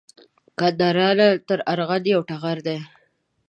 ګندارا نه تر ارغند یو ټغر دی